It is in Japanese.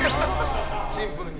シンプルに。